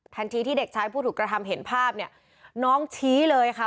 ที่เด็กชายผู้ถูกกระทำเห็นภาพเนี่ยน้องชี้เลยค่ะ